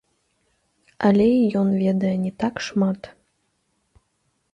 Але і ён ведае не так шмат.